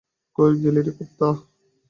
কই গেলি রে কুত্তা?